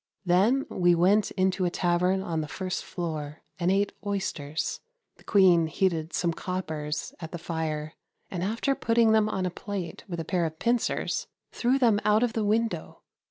Then we went into a tavern on the first floor, and ate oysters. The Queen heated some coppers at the fire, and, after putting them on a plate with a pair of pincers, threw them out of the window.